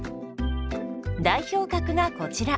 代表格がこちら。